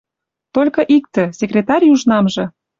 Толькы иктӹ... Секретарь южнамжы